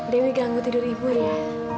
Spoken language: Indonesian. dewi ganggu tidur ibu ya